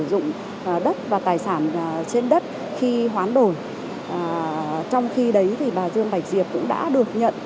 sử dụng đất và tài sản trên đất khi hoán đổi trong khi đấy thì bà dương bạch diệp cũng đã được nhận